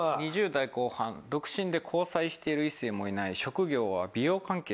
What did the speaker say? ２０代後半、独身で交際している異性もいない職業は美容関係